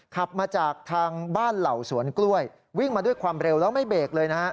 ขับมาจากทางบ้านเหล่าสวนกล้วยวิ่งมาด้วยความเร็วแล้วไม่เบรกเลยนะฮะ